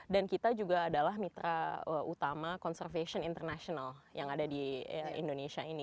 dan kita juga adalah mitra utama konservasi internasional yang ada di indonesia ini